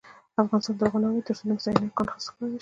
افغانستان تر هغو نه ابادیږي، ترڅو د مس عینک کان استخراج نشي.